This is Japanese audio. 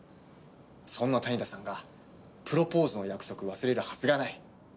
そんな谷田さんがプロポーズの約束忘れるはずがない。